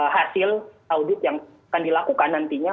hasil audit yang akan dilakukan nantinya